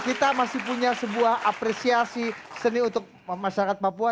kita masih punya sebuah apresiasi seni untuk masyarakat papua